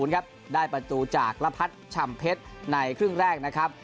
ครับได้ประตูจากระพัดฉ่ำเพชรในครึ่งแรกนะครับ